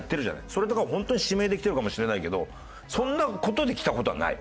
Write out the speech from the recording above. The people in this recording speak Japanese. それとかは本当に指名で来てるかもしれないけどそんな事で来た事はない。